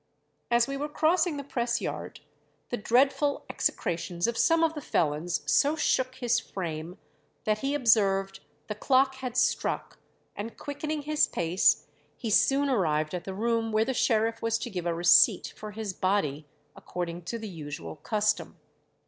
As we were crossing the press yard, the dreadful execrations of some of the felons so shook his frame that he observed 'the clock had struck;' and quickening his pace, he soon arrived at the room where the sheriff was to give a receipt for his body, according to the usual custom.